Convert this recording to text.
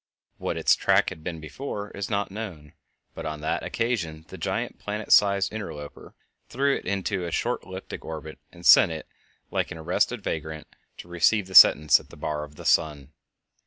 What its track had been before is not known, but on that occasion the giant planet seized the interloper, threw it into a short elliptic orbit and sent it, like an arrested vagrant, to receive sentence at the bar of the sun.